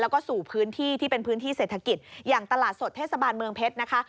แล้วก็สู่พื้นที่ที่เป็นพื้นที่เศรษฐกิจอย่างตลาดสดเทศบาลเมืองเพชรนะคะ